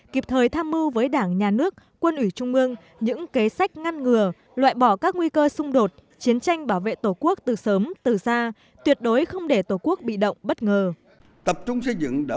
kịp thời tham mưu với đảng nhà nước quân ủy trung mương những kế sách ngăn ngừa loại bỏ các nguy cơ xung đột chiến tranh bảo vệ tổ quốc từ sớm từ xa tuyệt đối không để tổ quốc bị động bất ngờ